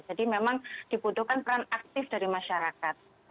jadi memang dibutuhkan peran aktif dari masyarakat